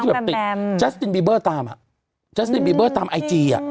น้องแบมแบมแจ๊สตินมีเบอร์ตามอ่ะแจ๊สตินมีเบอร์ตามไอจีอ่ะ